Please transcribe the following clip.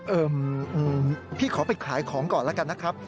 เอิ่มพี่ขอไปขายของก่อนละกันนะครับ